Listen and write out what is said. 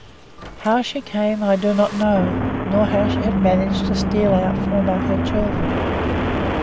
How she came I do not know; nor how she had managed to steal out from among her children.